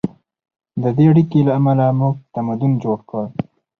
د دې اړیکې له امله موږ تمدن جوړ کړ.